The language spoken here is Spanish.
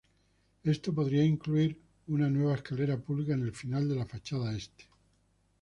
Esto podría incluir una nueva escalera pública en el final de la fachada este.